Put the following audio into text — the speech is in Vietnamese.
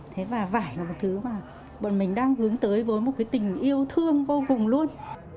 thế và vải là một thứ mà bọn mình đang hướng tới với một cái tình yêu thương vô cùng luôn